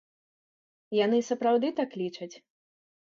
Яны сапраўды так лічаць?